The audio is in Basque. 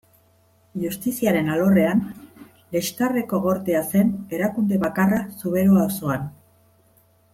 Justiziaren alorrean, Lextarreko Gortea zen erakunde bakarra Zuberoa osoan.